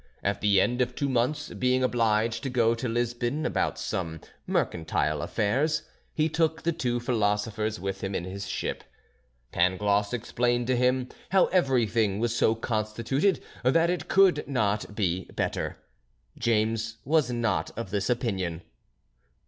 At the end of two months, being obliged to go to Lisbon about some mercantile affairs, he took the two philosophers with him in his ship. Pangloss explained to him how everything was so constituted that it could not be better. James was not of this opinion.